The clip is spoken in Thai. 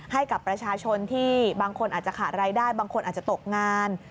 ให้กับประชาชนที่บางคนอาจจะขาดรายได้บางคนอาจจะตกงาน